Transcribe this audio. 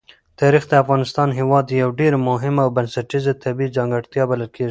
تاریخ د افغانستان هېواد یوه ډېره مهمه او بنسټیزه طبیعي ځانګړتیا بلل کېږي.